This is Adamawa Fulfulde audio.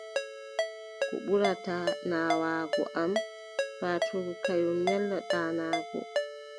Ko ɓurata naawaago am, paatuuru kanyum nyalla ɗaanaago.